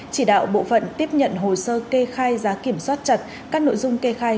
chỉ đạo bộ phận tiếp nhận hồ sơ kê khai giá kiểm soát chặt các nội dung kê khai